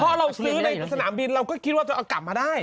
เพราะเราซื้อในสนามบินเราก็คิดว่าจะเอากลับมาได้